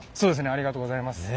ありがとうございます。